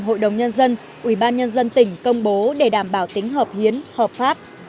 hội đồng nhân dân ubnd tỉnh công bố để đảm bảo tính hợp hiến hợp pháp